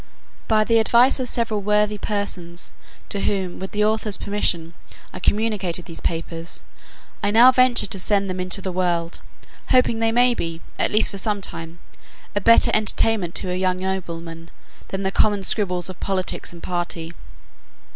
By the advice of several worthy persons, to whom, with the author's permission, I communicated these papers, I now venture to send them into the world, hoping they may be, at least for some time, a better entertainment to our young noblemen, than the common scribbles of politics and party.